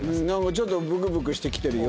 ちょっとブクブクしてきてるよ。